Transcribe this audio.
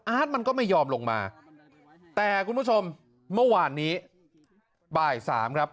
มันก็ไม่ยอมลงมาแต่คุณผู้ชมเมื่อวานนี้บ่ายสามครับ